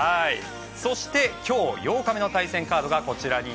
そして今日８日目の対戦カードです。